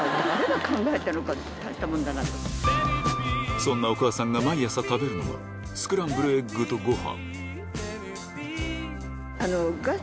そんなお母さんが毎朝食べるのがスクランブルエッグとご飯